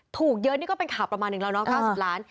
ถูกเยอะนี่ก็เป็นข่าวประมาณหนึ่งแล้วเนาะ๙๐ล้าน